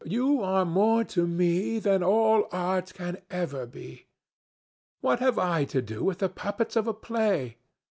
You are more to me than all art can ever be. What have I to do with the puppets of a play?